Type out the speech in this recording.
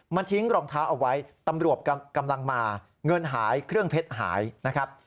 มันทิ้งรองเท้าเอาไว้ตำรวจกำลังมาเงินหายเครื่องเพชรหายนะครับ